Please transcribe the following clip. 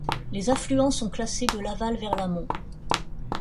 Les affluents sont classés de l'aval vers l'amont.